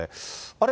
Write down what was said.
あれ？